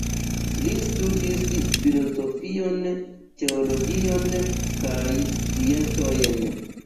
Li studis filozofion, teologion kaj sciencojn.